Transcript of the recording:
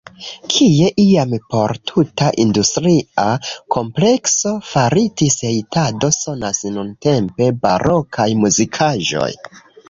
Kie iam por tuta industria komplekso faritis hejtado sonas nuntempe barokaj muzikaĵoj.